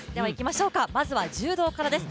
まずは柔道からです